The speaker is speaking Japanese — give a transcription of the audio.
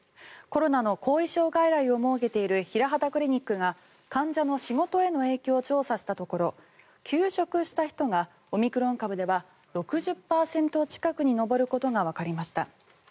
コロナの後遺症外来を設けているヒラハタクリニックが患者の仕事への影響を調査したところ休職した人がオミクロン株では６０％近くに上ることがわかりました。